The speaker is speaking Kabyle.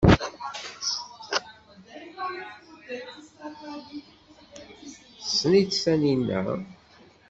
Tessen-itt Taninna?